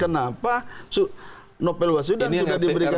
kenapa nobel was sedan sudah diberikan